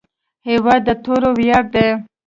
هېواد د توري ویاړ دی.